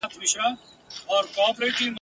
زه دي نه پرېږدم ګلابه چي یوازي به اوسېږې !.